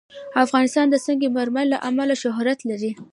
افغانستان د سنگ مرمر له امله شهرت لري.